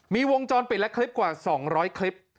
มีวงจรปิดและคลิปกว่า๒๐๐คลิป